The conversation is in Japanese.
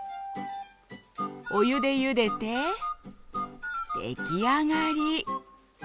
お湯でゆでて出来上がり。